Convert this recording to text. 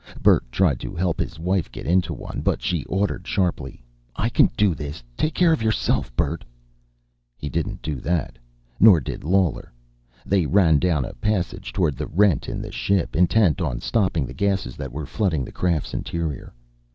Bert tried to help his wife get into one. But she ordered sharply: "I can do this! Take care of yourself, Bert." He didn't do that. Nor did Lawler. They ran down a passage toward the rent in the ship, intent on stopping the gases that were flooding the craft's interior.